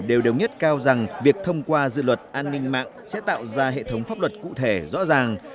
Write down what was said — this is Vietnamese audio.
đều đồng nhất cao rằng việc thông qua dự luật an ninh mạng sẽ tạo ra hệ thống pháp luật cụ thể rõ ràng